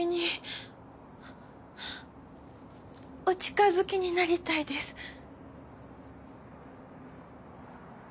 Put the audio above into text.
お近づきになりたいです。